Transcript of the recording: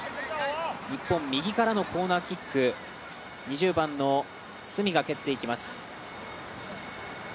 日本、右からのコーナーキック２０番の角が蹴っていきます。